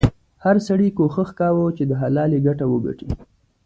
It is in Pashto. هر سړي کوښښ کاوه چې د حلالې ګټه وګټي.